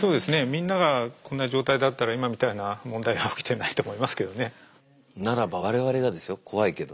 みんながこんな状態だったら今みたいな問題は起きてないと思いますけどね。